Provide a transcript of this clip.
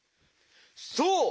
そう！